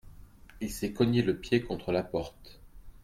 Il s'est cogné le pied contre la porte.